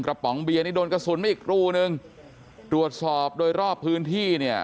กระป๋องเบียนที่โดนกระสุนไว้อีกรูหนึ่งรวดสอบโดยรอบพื้นที่เนี่ย